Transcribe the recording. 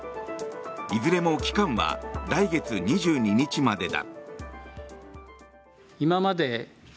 いずれも期間は来月２２日までだ。